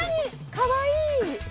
かわいい。